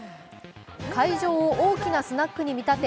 会場を大きなスナックに見立て